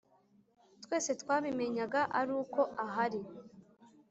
twese twabimenyaga aruko ahari